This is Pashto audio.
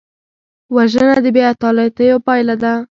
وژنه د بېعدالتیو پایله ده